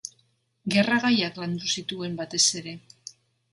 Gerra gaiak landu zituen batez ere.